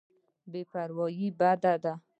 بې پروايي بد دی.